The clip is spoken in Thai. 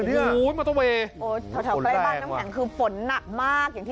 เท่าใกล้บ้านน้ำแข็งคือฝนหนักมาก